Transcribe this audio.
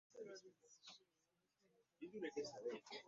Abantu abasinga ababeera n'ebizibu badukira mu masinzizo.